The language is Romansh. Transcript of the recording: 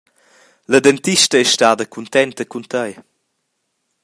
La dentista ei stada cuntenta cun tei.